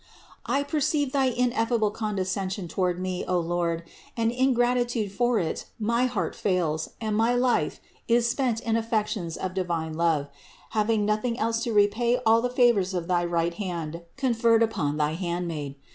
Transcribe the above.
I per ceive thy ineffable condescension toward me, O Lord, and in gratitude for it my heart fails and my life is spent in affections of divine love, having nothing else to repay all the favors of thy right hand conferred upon thy hand maid.